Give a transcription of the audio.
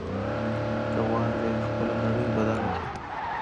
که غواړې خپله نړۍ بدله کړې.